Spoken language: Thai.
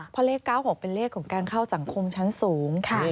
เพราะเลข๙๖เป็นเลขของการเข้าสังคมชั้นสูง